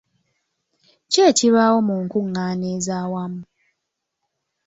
Ki ekibaawo mu nkungaana ez'awamu?